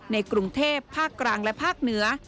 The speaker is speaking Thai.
ในกรุงเทพภาคกลางและภาคเหนือ